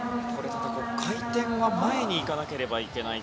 ただ、回転は前に行かなければいけない。